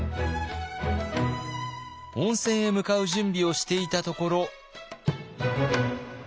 温泉へ向かう準備をしていたところ。